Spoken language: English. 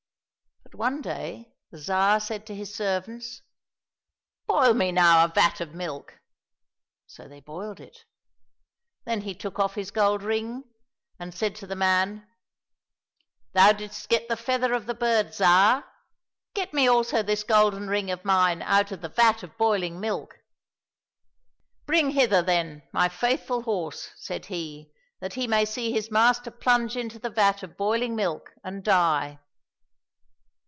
But one day the Tsar said to his servants, '' Boil me now a vat of milk !" So they boiled it. Then he took off his gold ring, and said to the man, " Thou didst get the feather of the bird Zhar, get me also this golden ring of mine out of the vat of boiling milk !"—" Bring hither, then, my faithful horse," said he, " that he may see his master plunge into the vat of boiling milk and die